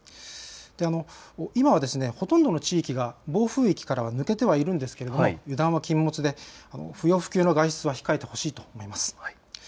今はほとんどの地域が暴風域からは抜けてはいるんですが油断は禁物で、不要不急の外出は控えてほしいと思います。